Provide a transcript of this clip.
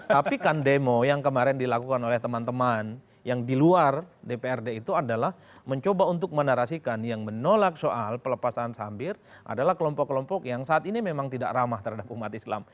tapi kan demo yang kemarin dilakukan oleh teman teman yang di luar dprd itu adalah mencoba untuk menarasikan yang menolak soal pelepasan sambir adalah kelompok kelompok yang saat ini memang tidak ramah terhadap umat islam